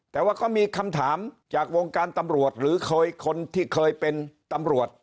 แต่ว่าก็มีคำถามจากวงการตำรวจหรือเคยคนที่เคยเป็นตำรวจ